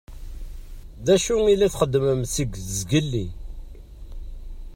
D acu i la txeddmem seg zgelli?